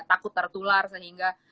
takut tertular sehingga